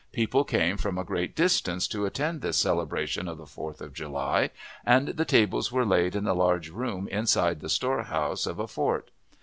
People came from a great distance to attend this celebration of the Fourth of July, and the tables were laid in the large room inside the storehouse of the fort.